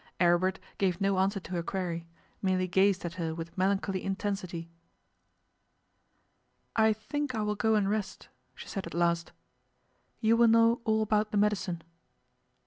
Aribert gave no answer to her query merely gazed at her with melancholy intensity. 'I think I will go and rest,' she said at last. 'You will know all about the medicine.